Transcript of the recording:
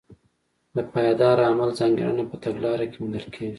د پایداره عمل ځانګړنه په تګلاره کې موندل کېږي.